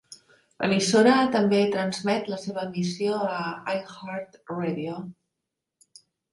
L'emissora també transmet la seva emissió a iHeartRadio.